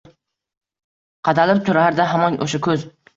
Qadalib turardi hamon oʻsha koʻz.